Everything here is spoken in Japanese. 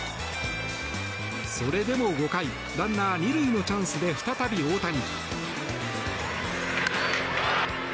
それでも５回ランナー２塁のチャンスで再び大谷。